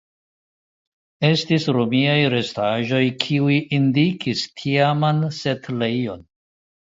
Estis romiaj restaĵoj kiuj indikis tiaman setlejon.